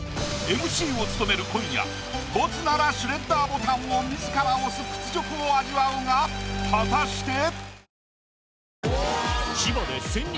ＭＣを務める今夜ボツならシュレッダーボタンを自ら押す屈辱を味わうが果たして。